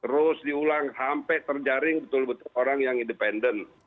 terus diulang sampai terjaring betul betul orang yang independen